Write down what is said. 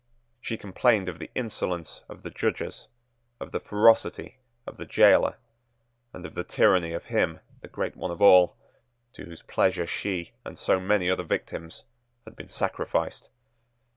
She complained of the insolence of the judges, of the ferocity of the gaoler, and of the tyranny of him, the great one of all, to whose pleasure she and so many other victims had been sacrificed.